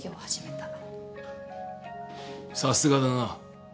さすがだな。